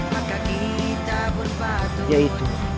maka kita pun patuh